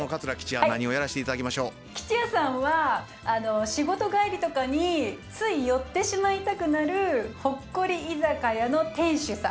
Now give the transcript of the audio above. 吉弥さんは仕事帰りとかについ寄ってしまいたくなるほっこり居酒屋の店主さん。